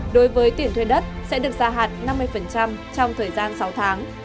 đối với tiền thuê đất sẽ được gia hạn năm mươi trong thời gian sáu tháng